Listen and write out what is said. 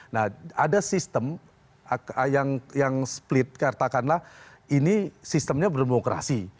nah ada sistem yang split katakanlah ini sistemnya berdemokrasi